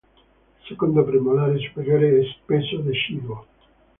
Il secondo premolare superiore è spesso deciduo.